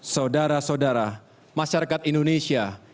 saudara saudara masyarakat indonesia